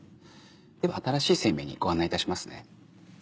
では新しい生命にご案内いたしますね。